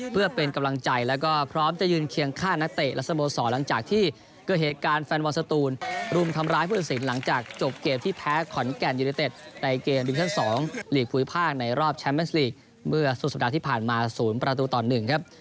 เพื่อเป็นกำลังใจแล้วก็พร้อมจะยืนเคียงฆ่านักเตะและสโมสรหลังจากที่เกิดเหตุการณ์แฟนบอลสตูนรุมทำร้ายผู้ตัดสินหลังจากจบเกมที่แพ้ขอนแก่นยูเนเต็ดในเกมดิชั่น๒หลีกภูมิภาคในรอบแชมป์แมสลีกเมื่อสุดสัปดาห์ที่ผ่านมา๐ประตูต่อ๑ครับ